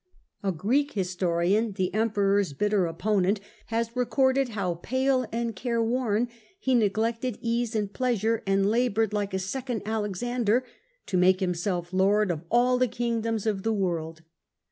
A Greek historian, the Emperor's bitter opponent, has recorded how, pale and careworn, he neglected ease and pleasure, and laboured, like a second Alexander, to make himself lord of all the kingdoms of the world.